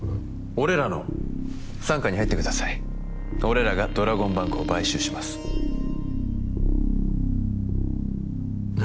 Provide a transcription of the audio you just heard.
俺らの傘下に入ってください俺らがドラゴンバンクを買収します何！？